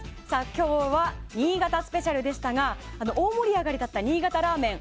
今日は、新潟スペシャルでしたが大盛り上がりだった新潟ラーメン